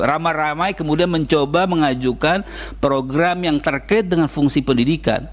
ramai ramai kemudian mencoba mengajukan program yang terkait dengan fungsi pendidikan